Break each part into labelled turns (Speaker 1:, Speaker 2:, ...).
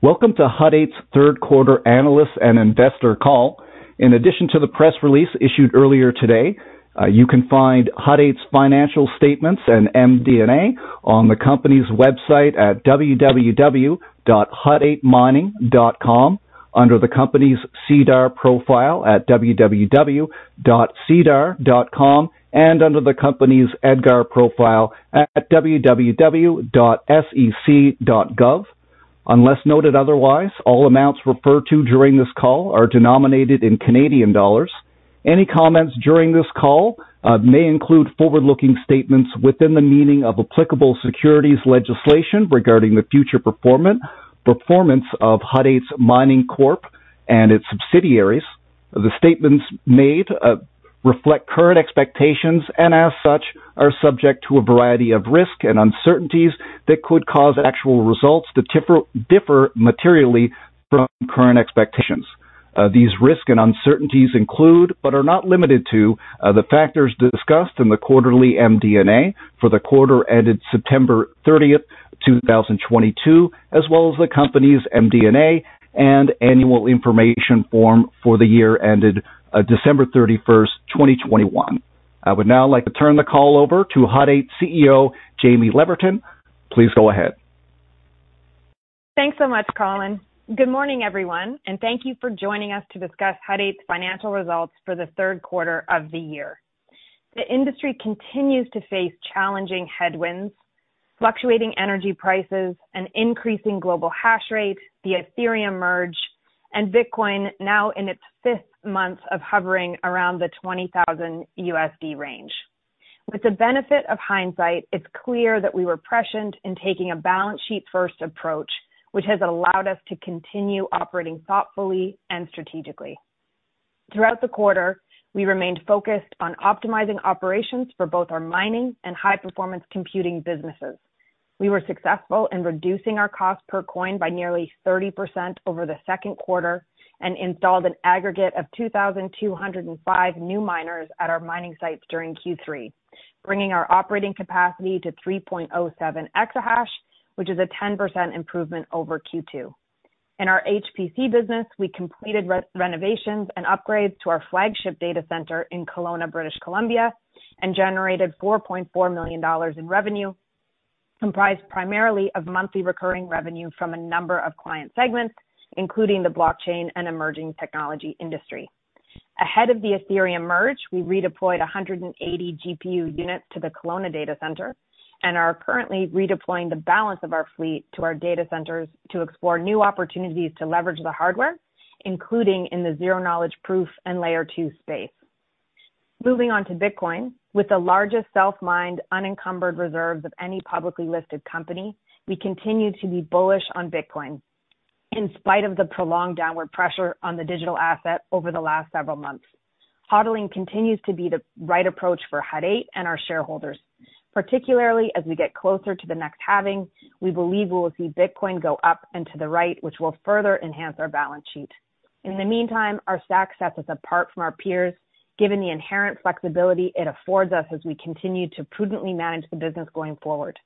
Speaker 1: Welcome to Hut 8's third quarter analyst and investor call. In addition to the press release issued earlier today, you can find Hut 8's financial statements and MD&A on the company's website at www.hut8mining.com, under the company's SEDAR profile at www.sedar.com and under the company's EDGAR profile at www.sec.gov. Unless noted otherwise, all amounts referred to during this call are denominated in Canadian dollars. Any comments during this call may include forward-looking statements within the meaning of applicable securities legislation regarding the future performance of Hut 8 Mining Corp, and its subsidiaries. The statements made reflect current expectations and as such, are subject to a variety of risk and uncertainties that could cause actual results to differ materially from current expectations. These risks and uncertainties include, but are not limited to, the factors discussed in the quarterly MD&A for the quarter ended September 30, 2022, as well as the company's MD&A and annual information form for the year ended December 31, 2021. I would now like to turn the call over to Hut 8 CEO, Jaime Leverton. Please go ahead.
Speaker 2: Thanks so much, Colin. Good morning, everyone, and thank you for joining us to discuss Hut 8's financial results for the third quarter of the year. The industry continues to face challenging headwinds, fluctuating energy prices and increasing global hash rate, the Ethereum Merge, and Bitcoin now in its fifth month of hovering around the $20,000 range. With the benefit of hindsight, it's clear that we were prescient in taking a balance sheet first approach, which has allowed us to continue operating thoughtfully and strategically. Throughout the quarter, we remained focused on optimizing operations for both our mining and high-performance computing businesses. We were successful in reducing our cost per coin by nearly 30% over the second quarter and installed an aggregate of 2,205 new miners at our mining sites during Q3, bringing our operating capacity to 3.07 exahash, which is a 10% improvement over Q2. In our HPC business, we completed re-renovations and upgrades to our flagship data center in Kelowna, British Columbia, and generated 4.4 million dollars in revenue, comprised primarily of monthly recurring revenue from a number of client segments, including the blockchain and emerging technology industry. Ahead of the Ethereum Merge, we redeployed 180 GPU units to the Kelowna data center and are currently redeploying the balance of our fleet to our data centers to explore new opportunities to leverage the hardware, including in the zero-knowledge proof and layer 2 space. Moving on to Bitcoin. With the largest self-mined unencumbered reserves of any publicly listed company, we continue to be bullish on Bitcoin. In spite of the prolonged downward pressure on the digital asset over the last several months, HODLing continues to be the right approach for Hut 8 and our shareholders. Particularly as we get closer to the next halving, we believe we will see Bitcoin go up and to the right, which will further enhance our balance sheet. In the meantime, our stack sets us apart from our peers given the inherent flexibility it affords us as we continue to prudently manage the business going forward.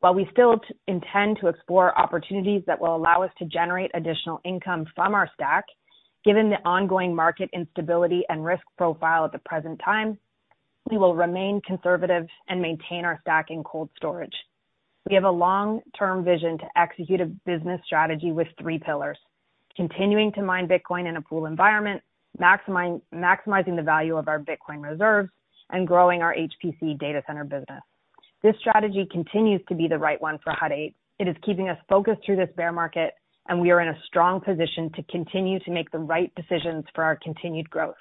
Speaker 2: While we still intend to explore opportunities that will allow us to generate additional income from our stack, given the ongoing market instability and risk profile at the present time, we will remain conservative and maintain our stack in cold storage. We have a long-term vision to execute a business strategy with three pillars, continuing to mine Bitcoin in a pool environment, maximizing the value of our Bitcoin reserves, and growing our HPC data center business. This strategy continues to be the right one for Hut 8. It is keeping us focused through this bear market, and we are in a strong position to continue to make the right decisions for our continued growth.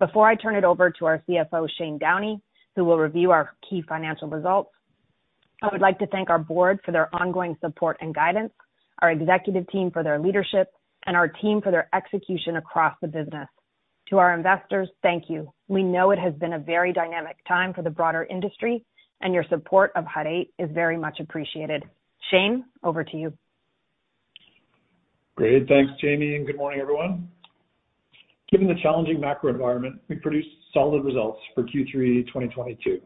Speaker 2: Before I turn it over to our CFO, Shane Downey, who will review our key financial results, I would like to thank our board for their ongoing support and guidance, our executive team for their leadership, and our team for their execution across the business. To our investors, thank you. We know it has been a very dynamic time for the broader industry, and your support of Hut 8 is very much appreciated. Shane, over to you.
Speaker 3: Great. Thanks, Jaime, and good morning, everyone. Given the challenging macro environment, we produced solid results for Q3 2022.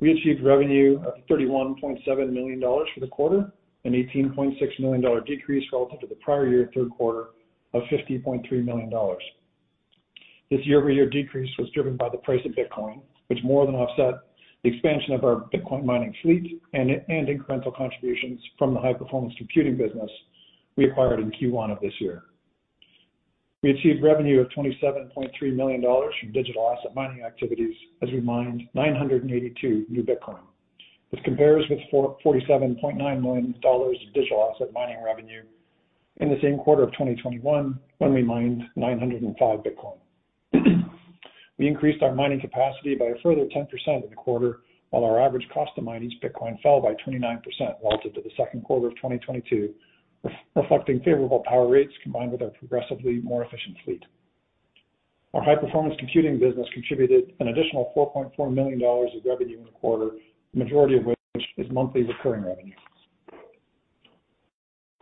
Speaker 3: We achieved revenue of $31.7 million for the quarter, an $18.6 million decrease relative to the prior year third quarter of $50.3 million. This year-over-year decrease was driven by the price of Bitcoin, which more than offset the expansion of our Bitcoin mining fleet and incremental contributions from the high-performance computing business we acquired in Q1 of this year. We achieved revenue of $27.3 million from digital asset mining activities as we mined 982 new Bitcoin, which compares with 47.9 million dollars of digital asset mining revenue in the same quarter of 2021 when we mined 905 Bitcoin. We increased our mining capacity by a further 10% in the quarter, while our average cost to mine each Bitcoin fell by 29% relative to the second quarter of 2022, reflecting favorable power rates combined with our progressively more efficient fleet. Our high-performance computing business contributed an additional $4.4 million of revenue in the quarter, the majority of which is monthly recurring revenue.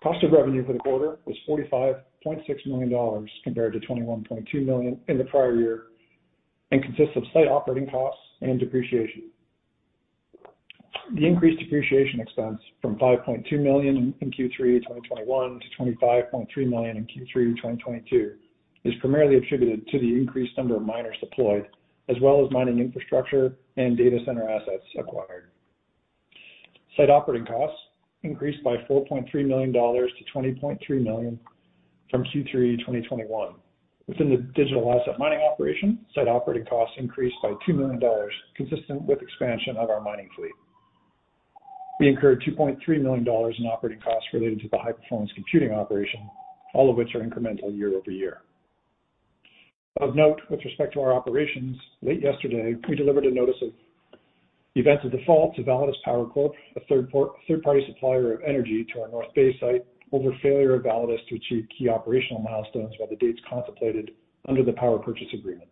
Speaker 3: Cost of revenue for the quarter was $45.6 million compared to $21.2 million in the prior year. Consists of site operating costs and depreciation. The increased depreciation expense from $5.2 million in Q3 2021 to $25.3 million in Q3 2022 is primarily attributed to the increased number of miners deployed, as well as mining infrastructure and data center assets acquired. Site operating costs increased by $4.3 million to $20.3 million from Q3 2021. Within the digital asset mining operation, site operating costs increased by $2 million, consistent with expansion of our mining fleet. We incurred $2.3 million in operating costs related to the high-performance computing operation, all of which are incremental year-over-year. Of note, with respect to our operations, late yesterday, we delivered a notice of events of default to Validus Power Corp, a third-party supplier of energy to our North Bay site, over failure of Validus to achieve key operational milestones by the dates contemplated under the power purchase agreement.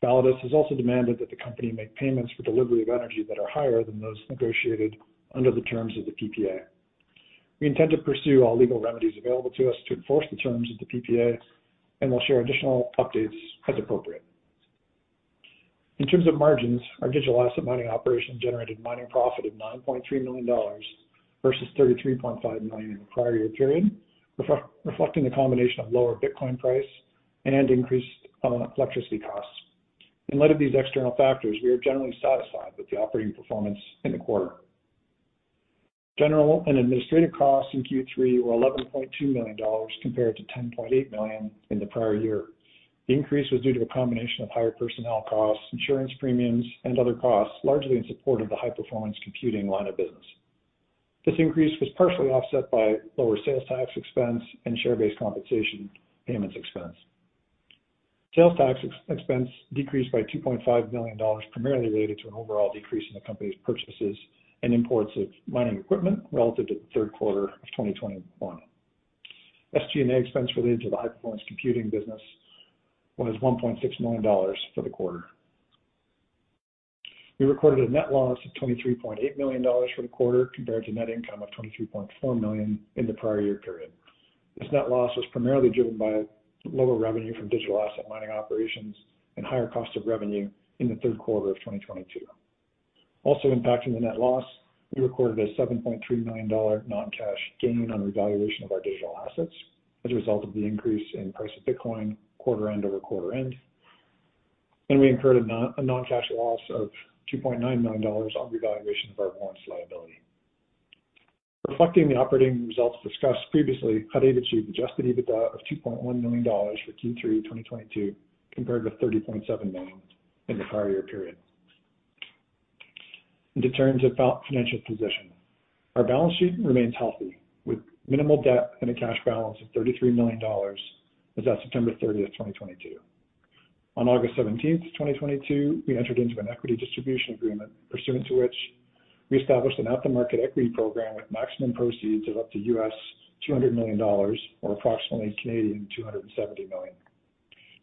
Speaker 3: Validus has also demanded that the company make payments for delivery of energy that are higher than those negotiated under the terms of the PPA. We intend to pursue all legal remedies available to us to enforce the terms of the PPA, and we'll share additional updates as appropriate. In terms of margins, our digital asset mining operation generated mining profit of $9.3 million versus $33.5 million in the prior year period, reflecting the combination of lower Bitcoin price and increased electricity costs. In light of these external factors, we are generally satisfied with the operating performance in the quarter. General and administrative costs in Q3 were $11.2 million compared to $10.8 million in the prior year. The increase was due to a combination of higher personnel costs, insurance premiums, and other costs, largely in support of the high-performance computing line of business. This increase was partially offset by lower sales tax expense and share-based compensation payments expense. Sales tax expense decreased by $2.5 million, primarily related to an overall decrease in the company's purchases and imports of mining equipment relative to the third quarter of 2021. SG&A expense related to the high-performance computing business was $1.6 million for the quarter. We recorded a net loss of $23.8 million for the quarter compared to net income of $23.4 million in the prior year period. This net loss was primarily driven by lower revenue from digital asset mining operations and higher cost of revenue in the third quarter of 2022. Also impacting the net loss, we recorded a $7.3 million non-cash gain on revaluation of our digital assets as a result of the increase in price of Bitcoin quarter end over quarter end. We incurred a non-cash loss of $2.9 million on revaluation of our warrants liability. Reflecting the operating results discussed previously, Hut 8 achieved Adjusted EBITDA of $2.1 million for Q3 2022 compared with $30.7 million in the prior year period. To turn to financial position. Our balance sheet remains healthy, with minimal debt and a cash balance of $33 million as of September 30, 2022. On August 17, 2022, we entered into an equity distribution agreement pursuant to which we established an at-the-market equity program with maximum proceeds of up to $200 million or approximately 270 million Canadian dollars.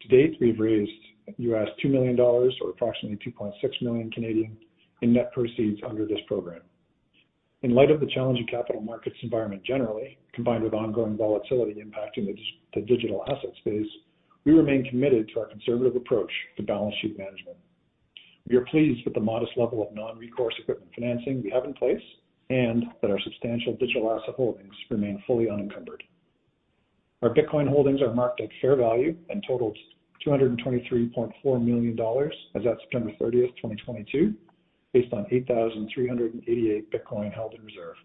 Speaker 3: To date, we've raised $2 million or approximately 2.6 million Canadian dollars in net proceeds under this program. In light of the challenging capital markets environment generally, combined with ongoing volatility impacting the digital asset space, we remain committed to our conservative approach to balance sheet management. We are pleased with the modest level of non-recourse equipment financing we have in place, and that our substantial digital asset holdings remain fully unencumbered. Our Bitcoin holdings are marked at fair value and totaled $223.4 million as of September thirtieth, 2022, based on 8,388 Bitcoin held in reserve.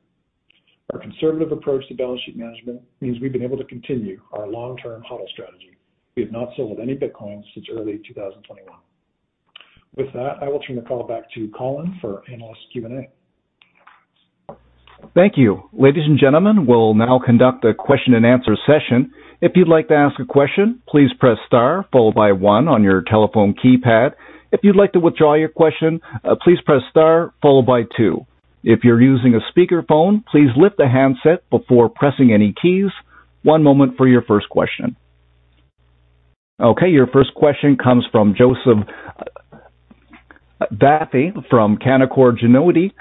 Speaker 3: Our conservative approach to balance sheet management means we've been able to continue our long-term HODL strategy. We have not sold any Bitcoin since early 2021. With that, I will turn the call back to Colin for analyst Q&A.
Speaker 1: Thank you. Ladies and gentlemen, we'll now conduct a question-and-answer session. If you'd like to ask a question, please press star followed by one on your telephone keypad. If you'd like to withdraw your question, please press star followed by two. If you're using a speakerphone, please lift the handset before pressing any keys. One moment for your first question. Okay, your first question comes from Joseph Vafi from Canaccord Genuity.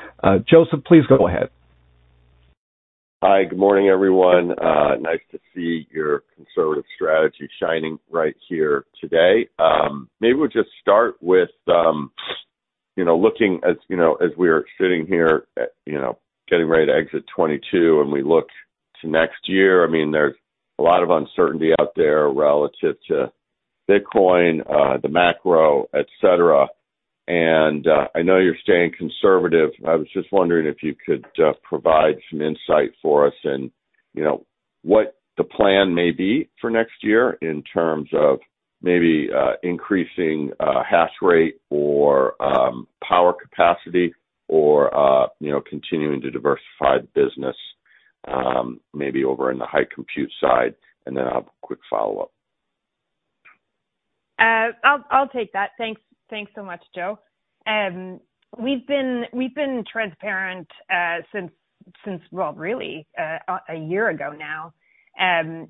Speaker 1: Joseph, please go ahead.
Speaker 4: Hi. Good morning, everyone. Nice to see your conservative strategy shining right here today. Maybe we'll just start with, you know, looking, you know, as we're sitting here, you know, getting ready to exit 2022 and we look to next year. I mean, there's a lot of uncertainty out there relative to Bitcoin, the macro, et cetera. I know you're staying conservative. I was just wondering if you could provide some insight for us and, you know, what the plan may be for next year in terms of maybe increasing hash rate or power capacity or, you know, continuing to diversify the business, maybe over in the high compute side, and then I'll have a quick follow-up.
Speaker 2: I'll take that. Thanks so much, Joe. We've been transparent since well, really a year ago now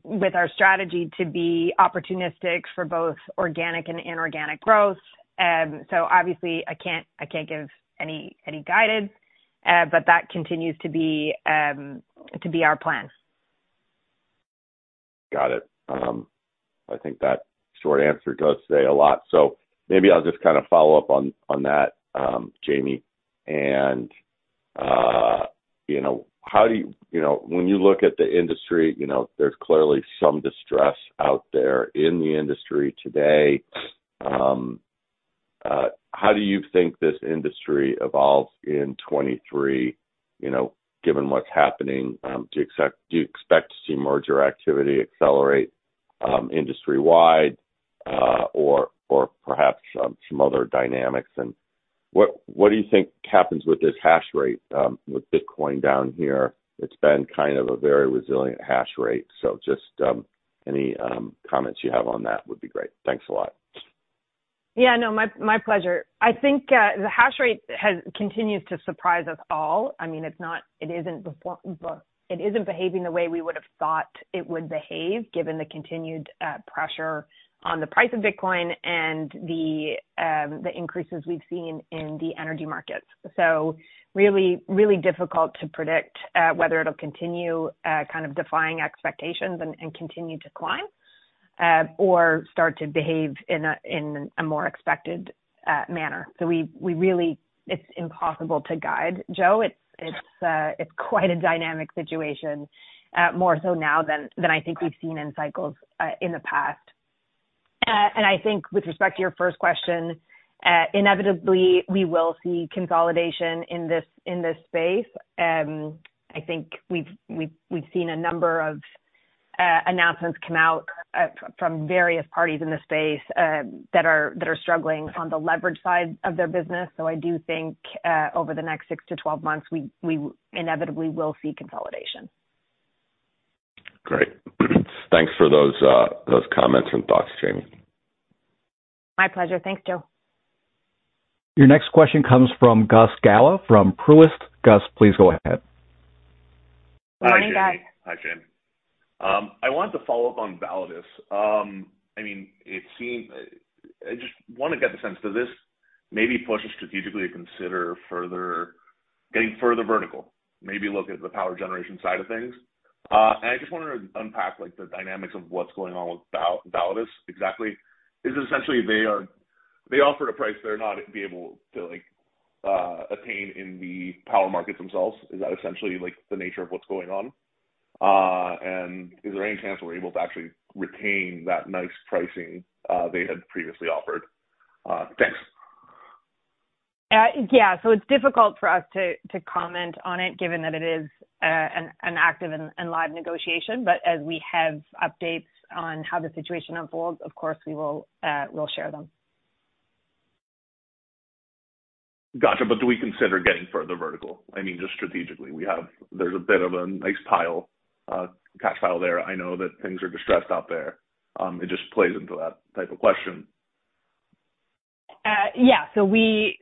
Speaker 2: with our strategy to be opportunistic for both organic and inorganic growth. Obviously I can't give any guidance, but that continues to be our plan.
Speaker 4: Got it. I think that short answer does say a lot. Maybe I'll just kind of follow up on that, Jamie. You know, when you look at the industry, you know, there's clearly some distress out there in the industry today. How do you think this industry evolves in 2023, you know, given what's happening? Do you expect to see merger activity accelerate, industry wide, or perhaps some other dynamics? What do you think happens with this hash rate, with Bitcoin down here? It's been kind of a very resilient hash rate. Just any comments you have on that would be great. Thanks a lot.
Speaker 2: Yeah, no, my pleasure. I think the hash rate has continued to surprise us all. I mean, it isn't behaving the way we would have thought it would behave, given the continued pressure on the price of Bitcoin and the increases we've seen in the energy markets. It's really difficult to predict whether it'll continue kind of defying expectations and continue to climb or start to behave in a more expected manner. We really. It's impossible to guide, Joe. It's quite a dynamic situation, more so now than I think we've seen in cycles in the past. I think with respect to your first question, inevitably we will see consolidation in this space. I think we've seen a number of announcements come out from various parties in the space that are struggling on the leverage side of their business. I do think over the next 6-12 months, we inevitably will see consolidation.
Speaker 4: Great. Thanks for those comments and thoughts, Jaime.
Speaker 2: My pleasure. Thanks, Joe.
Speaker 1: Your next question comes from Gus Galá fromTruist. Gus, please go ahead.
Speaker 2: Morning, Gus.
Speaker 5: Hi, Jaime. I wanted to follow up on Validus. I mean, it seemed I just wanna get the sense, does this maybe push us strategically to consider further getting further vertical, maybe look at the power generation side of things? I just wanted to unpack, like, the dynamics of what's going on with Validus exactly. Is essentially they offered a price they're not gonna be able to, like, attain in the power markets themselves. Is that essentially, like, the nature of what's going on? Is there any chance we're able to actually retain that nice pricing they had previously offered? Thanks.
Speaker 2: It's difficult for us to comment on it given that it is an active and live negotiation. As we have updates on how the situation unfolds, of course we'll share them.
Speaker 5: Gotcha. Do we consider getting further vertical? I mean, just strategically. There's a bit of a nice pile, cash pile there. I know that things are distressed out there. It just plays into that type of question.
Speaker 2: Yeah. We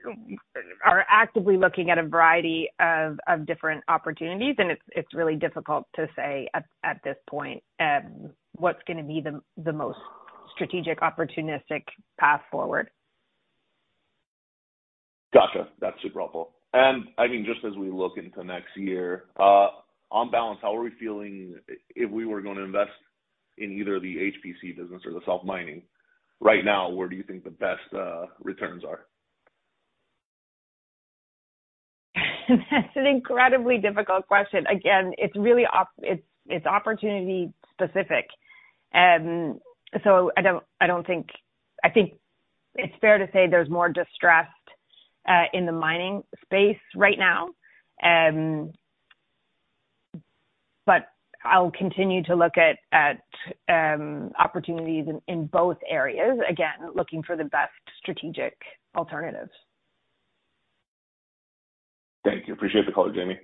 Speaker 2: are actively looking at a variety of different opportunities, and it's really difficult to say at this point what's gonna be the most strategic opportunistic path forward.
Speaker 5: Gotcha. That's super helpful. I mean, just as we look into next year, on balance, how are we feeling if we were gonna invest in either the HPC business or the self mining right now, where do you think the best returns are?
Speaker 2: That's an incredibly difficult question. Again, it's really opportunity specific. I think it's fair to say there's more distressed in the mining space right now. I'll continue to look at opportunities in both areas, again, looking for the best strategic alternatives.
Speaker 5: Thank you. Appreciate the call, Jaime.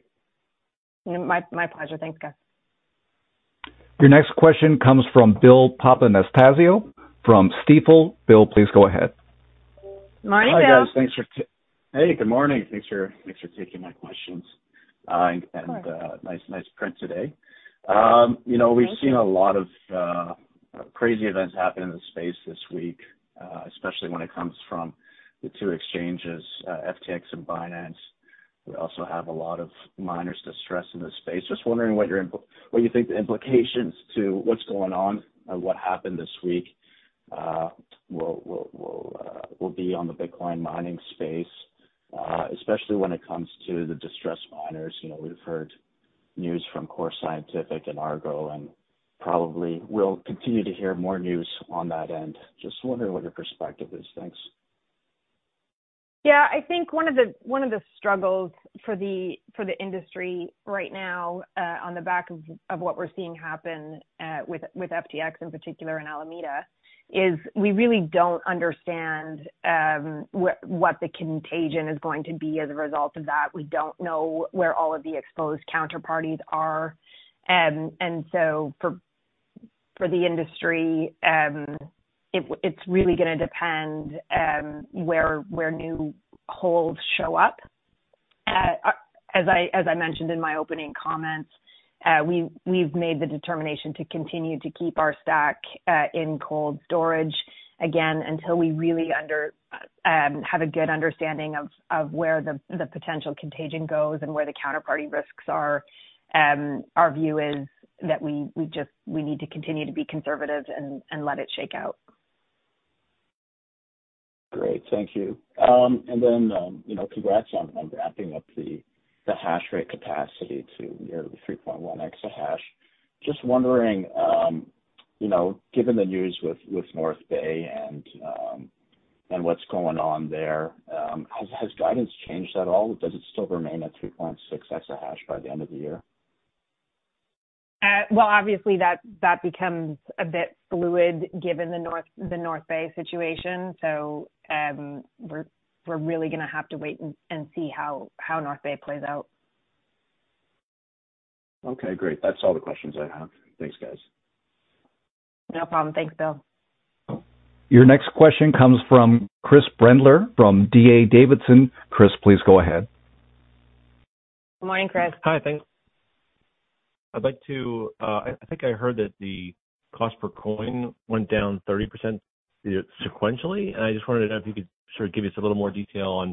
Speaker 2: My pleasure. Thanks, Gus.
Speaker 1: Your next question comes from Bill Papanastasiou from Stifel. Bill, please go ahead.
Speaker 2: Morning, Bill.
Speaker 6: Hi, guys. Good morning. Thanks for taking my questions.
Speaker 2: Of course.
Speaker 6: Nice print today. You know-
Speaker 2: Thank you.
Speaker 6: We've seen a lot of crazy events happen in the space this week, especially when it comes to the two exchanges, FTX and Binance. We also have a lot of miners distressed in this space. Just wondering what you think the implications for what's going on and what happened this week will be on the Bitcoin mining space, especially when it comes to the distressed miners. You know, we've heard news from Core Scientific and Argo, and probably we'll continue to hear more news on that end. Just wondering what your perspective is. Thanks.
Speaker 2: Yeah, I think one of the struggles for the industry right now, on the back of what we're seeing happen with FTX in particular and Alameda, is we really don't understand what the contagion is going to be as a result of that. We don't know where all of the exposed counterparties are. For the industry, it's really gonna depend where new holes show up. As I mentioned in my opening comments, we've made the determination to continue to keep our stack in cold storage again until we really have a good understanding of where the potential contagion goes and where the counterparty risks are. Our view is that we just need to continue to be conservative and let it shake out.
Speaker 6: Great. Thank you. You know, congrats on ramping up the hash rate capacity to nearly 3.1 exahash. Just wondering, you know, given the news with North Bay and what's going on there, has guidance changed at all? Does it still remain at 3.6 exahash by the end of the year?
Speaker 2: Well, obviously, that becomes a bit fluid given the North Bay situation. We're really gonna have to wait and see how North Bay plays out.
Speaker 6: Okay, great. That's all the questions I have. Thanks, guys.
Speaker 2: No problem. Thanks, Bill.
Speaker 1: Your next question comes from Chris Brendler from D.A. Davidson. Chris, please go ahead.
Speaker 2: Good morning, Chris.
Speaker 7: Hi. Thanks. I'd like to. I think I heard that the cost per coin went down 30% sequentially, and I just wondered if you could sort of give us a little more detail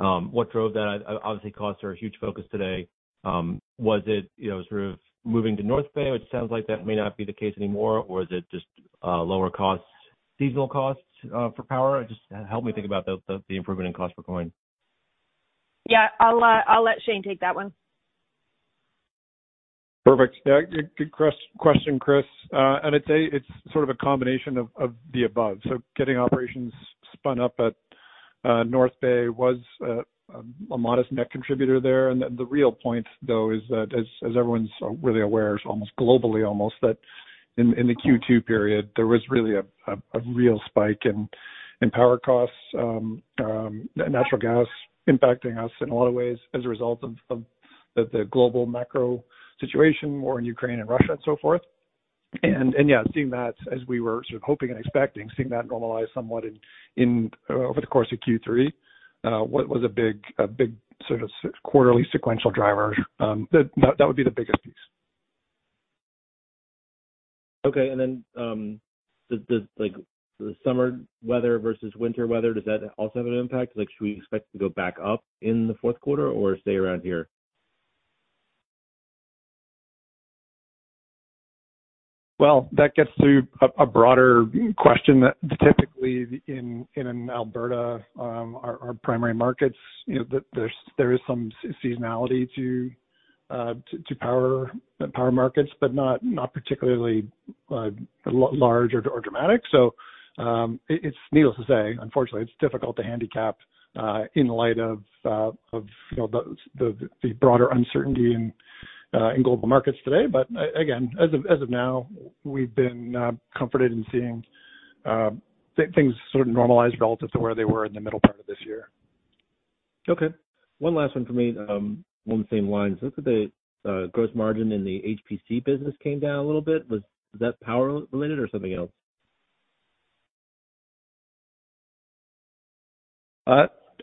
Speaker 7: on what drove that. Obviously costs are a huge focus today. Was it sort of moving to North Bay, which sounds like that may not be the case anymore, or is it just lower costs, seasonal costs for power? Just help me think about the improvement in cost per coin.
Speaker 2: Yeah. I'll let Shane take that one.
Speaker 3: Perfect. Yeah. Good question, Chris Brendler. It's sort of a combination of the above. Getting operations spun up at North Bay was a modest net contributor there. Then the real point, though, is that as everyone's really aware, almost globally, that in the Q2 period, there was really a real spike in power costs, natural gas impacting us in a lot of ways as a result of the global macro situation, war in Ukraine and Russia and so forth. Yeah, seeing that as we were sort of hoping and expecting, seeing that normalize somewhat in over the course of Q3, what was a big sort of quarterly sequential driver, that would be the biggest piece.
Speaker 7: Okay. The like, the summer weather versus winter weather, does that also have an impact? Like, should we expect to go back up in the fourth quarter or stay around here?
Speaker 3: Well, that gets to a broader question that typically in Alberta, our primary markets, you know, that there's some seasonality to power markets, but not particularly large or dramatic. It's needless to say, unfortunately, it's difficult to handicap in light of you know, the broader uncertainty in global markets today. Again, as of now, we've been comforted in seeing things sort of normalize relative to where they were in the middle part of this year.
Speaker 7: Okay. One last one for me, along the same lines. Looks like the gross margin in the HPC business came down a little bit. Was that power related or something else?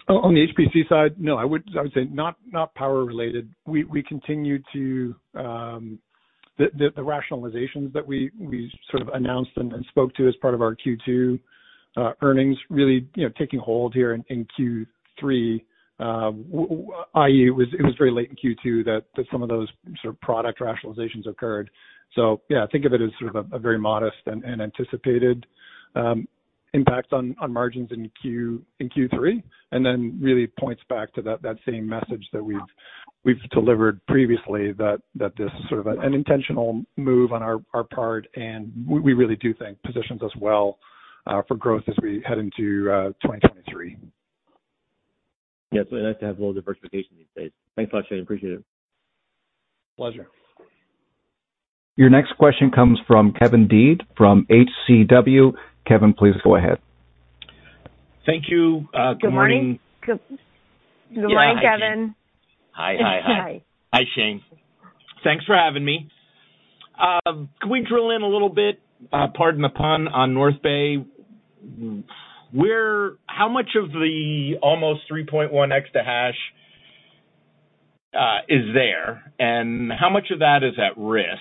Speaker 3: On the HPC side, no. I would say not power related. We continue to the rationalizations that we sort of announced and spoke to as part of our Q2 earnings really, you know, taking hold here in Q3. i.e., it was very late in Q2 that some of those sort of product rationalizations occurred. Yeah, think of it as sort of a very modest and anticipated impact on margins in Q3, and then really points back to that same message that we've delivered previously that this is sort of an intentional move on our part, and we really do think positions us well for growth as we head into 2023.
Speaker 7: Yeah. It's really nice to have a little diversification these days. Thanks a lot, Shane. Appreciate it.
Speaker 3: Pleasure.
Speaker 1: Your next question comes from Kevin Dede from HCW. Kevin, please go ahead.
Speaker 8: Thank you. Good morning.
Speaker 2: Good morning, Kevin.
Speaker 8: Hi, Shane. Thanks for having me. Can we drill in a little bit, pardon the pun, on North Bay? How much of the almost 3.1 exahash is there, and how much of that is at risk?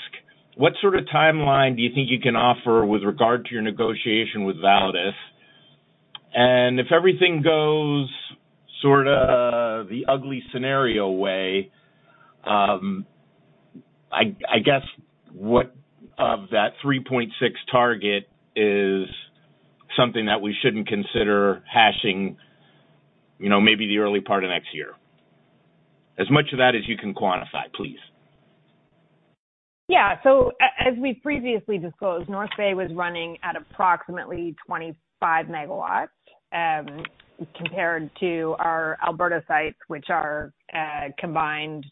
Speaker 8: What sort of timeline do you think you can offer with regard to your negotiation with Validus? If everything goes sorta the ugly scenario way, I guess what of that 3.6 target is something that we shouldn't consider hashing, you know, maybe the early part of next year? As much of that as you can quantify, please.
Speaker 2: Yeah. As we previously disclosed, North Bay was running at approximately 25 megawatts, compared to our Alberta sites, which are combined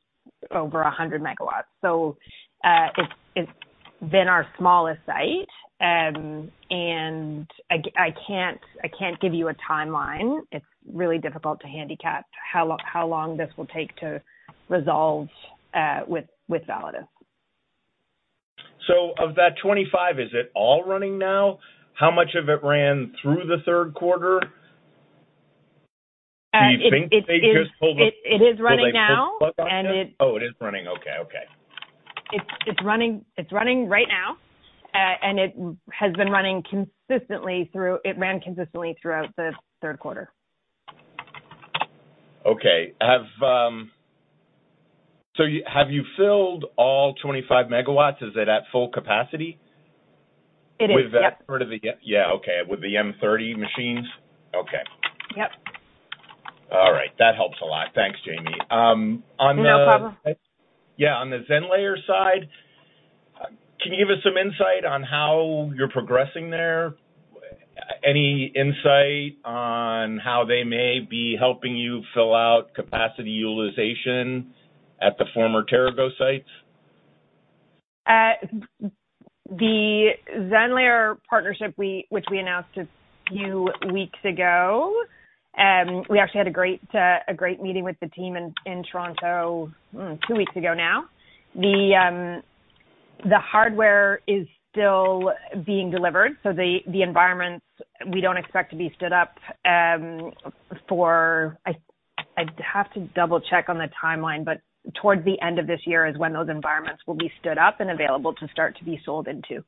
Speaker 2: over 100 megawatts. It's been our smallest site. I can't give you a timeline. It's really difficult to handicap how long this will take to resolve with Validus.
Speaker 8: Of that 25, is it all running now? How much of it ran through the third quarter?
Speaker 2: It is running now and it.
Speaker 8: Oh, it is running. Okay. Okay.
Speaker 2: It's running right now. It has been running consistently. It ran consistently throughout the third quarter.
Speaker 8: Okay. Have you filled all 25 MW? Is it at full capacity?
Speaker 2: It is. Yep.
Speaker 8: Yeah. Okay. With the M30 machines. Okay.
Speaker 2: Yep.
Speaker 8: All right. That helps a lot. Thanks, Jaime. On the
Speaker 2: No problem.
Speaker 8: Yeah, on the Zenlayer side, can you give us some insight on how you're progressing there? Any insight on how they may be helping you fill out capacity utilization at the former TeraGo sites?
Speaker 2: The Zenlayer partnership, which we announced a few weeks ago, we actually had a great meeting with the team in Toronto two weeks ago now. The hardware is still being delivered, so the environments we don't expect to be stood up. I'd have to double-check on the timeline, but towards the end of this year is when those environments will be stood up and available to start to be sold into.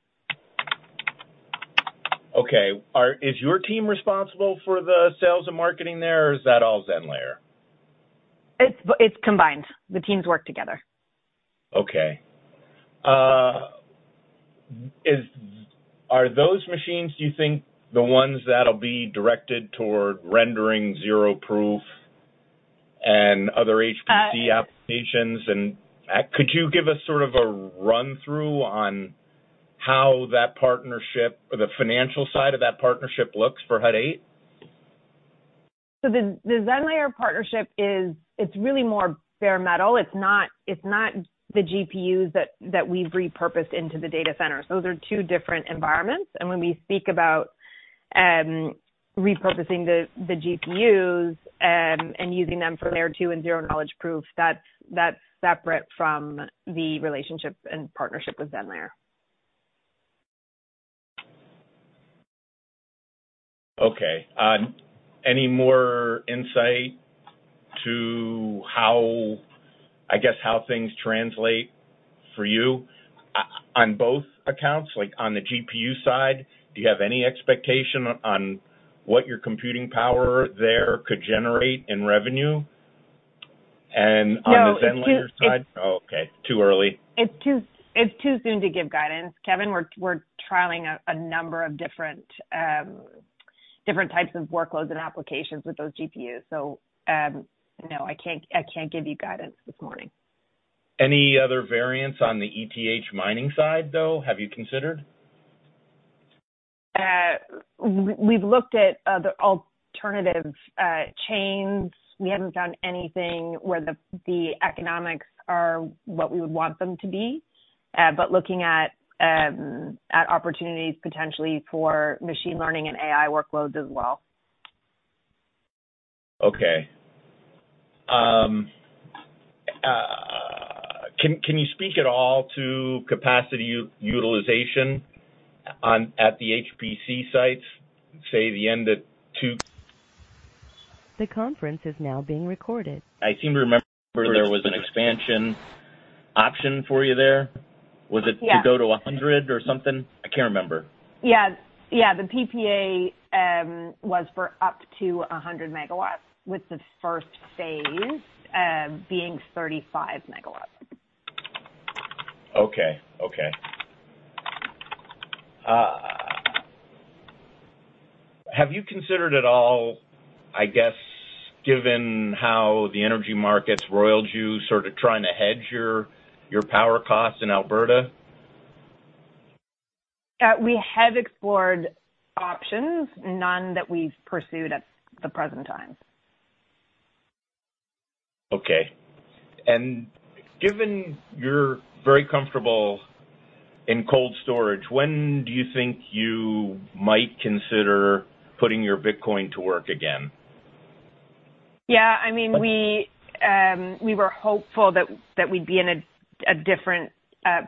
Speaker 8: Okay. Is your team responsible for the sales and marketing there, or is that all Zenlayer?
Speaker 2: It's combined. The teams work together.
Speaker 8: Are those machines, do you think, the ones that'll be directed toward rendering zero-knowledge proof and other HPC applications? Could you give us sort of a run-through on how that partnership or the financial side of that partnership looks for Hut 8?
Speaker 2: The Zenlayer partnership is. It's really more bare metal. It's not the GPUs that we've repurposed into the data centers. Those are two different environments. When we speak about repurposing the GPUs and using them for layer 2 and zero-knowledge proof, that's separate from the relationship and partnership with Zenlayer.
Speaker 8: Okay. Any more insight into how, I guess, how things translate for you on both accounts? Like, on the GPU side, do you have any expectation on what your computing power there could generate in revenue? On the Zenlayer side.
Speaker 2: No, it's too.
Speaker 8: Oh, okay. Too early.
Speaker 2: It's too soon to give guidance, Kevin. We're trialing a number of different types of workloads and applications with those GPUs. No, I can't give you guidance this morning.
Speaker 8: Any other variants on the ETH mining side, though, have you considered?
Speaker 2: We've looked at other alternative chains. We haven't found anything where the economics are what we would want them to be, but looking at opportunities potentially for machine learning and AI workloads as well.
Speaker 8: Can you speak at all to capacity utilization at the HPC sites, say, the end of two-
Speaker 1: The conference is now being recorded.
Speaker 8: I seem to remember there was an expansion option for you there.
Speaker 2: Yeah.
Speaker 8: Was it to go to 100 or something? I can't remember.
Speaker 2: Yeah. The PPA was for up to 100 megawatts, with the first phase being 35 megawatts.
Speaker 8: Have you considered at all, I guess, given how the energy markets roiled you, sort of trying to hedge your power costs in Alberta?
Speaker 2: We have explored options, none that we've pursued at the present time.
Speaker 8: Okay. Given you're very comfortable in cold storage, when do you think you might consider putting your Bitcoin to work again?
Speaker 2: Yeah. I mean, we were hopeful that we'd be in a different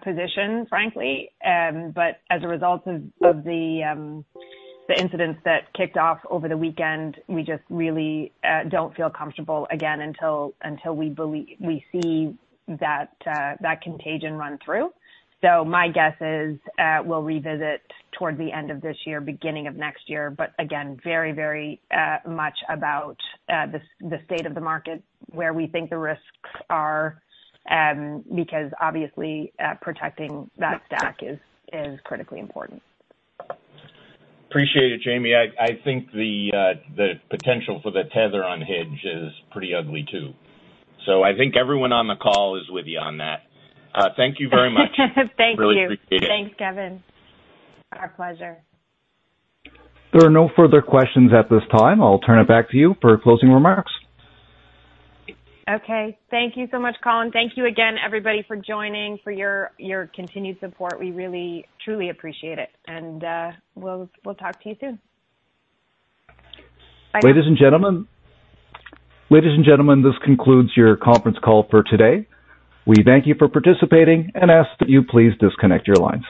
Speaker 2: position, frankly. As a result of the incidents that kicked off over the weekend, we just really don't feel comfortable again until we see that contagion run through. My guess is, we'll revisit toward the end of this year, beginning of next year. Again, very much about the state of the market, where we think the risks are, because obviously, protecting that stack is critically important.
Speaker 8: Appreciate it, Jaime. I think the potential for the Tether unhedge is pretty ugly too. I think everyone on the call is with you on that. Thank you very much.
Speaker 2: Thank you.
Speaker 8: Really appreciate it.
Speaker 2: Thanks, Kevin. Our pleasure.
Speaker 1: There are no further questions at this time. I'll turn it back to you for closing remarks.
Speaker 2: Okay. Thank you so much, Colin. Thank you again, everybody, for joining, for your continued support. We really, truly appreciate it. We'll talk to you soon. Bye.
Speaker 1: Ladies and gentlemen, this concludes your conference call for today. We thank you for participating and ask that you please disconnect your lines.